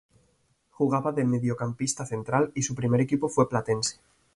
Jugaba de mediocampista central y su primer equipo fue Platense.